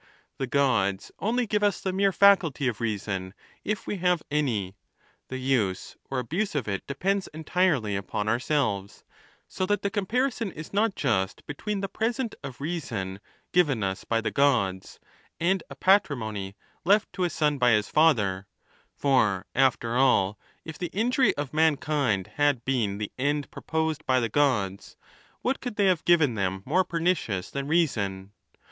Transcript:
The Gods only give us the mere faculty of reason, if we have any ; the use or abuse of it depends entirely upon ourselves ; so that the comparison is not just between the present of reason given us by the Gods, and a patrimony left to a son by his father ; for, after all, if the injury of mankind had been the end proposed by the Gods, what could tliey have given them more pernicious than reason